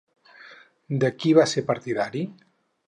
De qui va ser partidari?